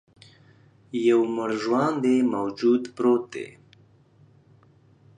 یو مړ ژواندی موجود پروت دی.